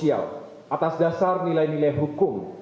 atas dasar nilai nilai hukum